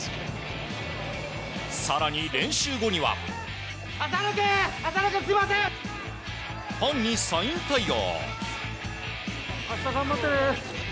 更に、練習後にはファンにサイン対応。